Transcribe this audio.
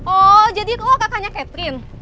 oh jadi lo kakaknya catherine